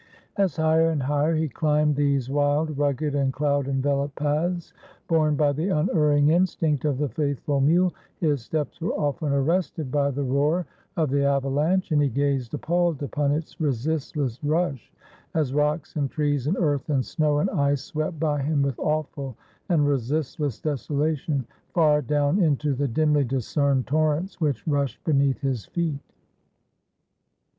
As higher and higher he climbed these wild, rugged, and cloud enveloped paths, borne by the unerring instinct of the faithful mule, his steps were often arrested by the roar of the avalanche, and he gazed appalled upon its resistless rush, as rocks, and trees, and earth, and snow, and ice, swept by him with awful and resistless desola tion, far down into the dimly discerned torrents which rushed beneath his feet.